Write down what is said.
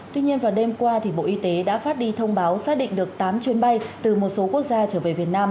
tuy nhiên vào đêm qua bộ y tế đã phát đi thông báo xác định được tám chuyến bay từ một số quốc gia trở về việt nam